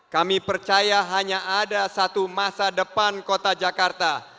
kami percaya hanya ada satu masa depan kota jakarta